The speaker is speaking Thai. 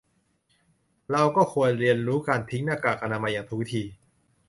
เราก็ควรเรียนรู้การทิ้งหน้ากากอนามัยอย่างถูกวิธี